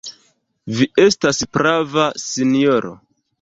Vi estas prava, sinjoro.